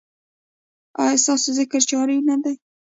ایا ستاسو ذکر جاری دی؟